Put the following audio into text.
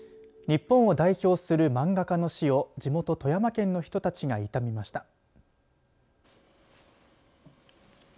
日本を代表する漫画家の死を地元富山県の人たちが悼みました。